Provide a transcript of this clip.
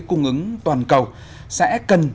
cung ứng toàn cầu sẽ cần